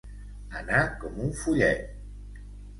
Anar com un follet.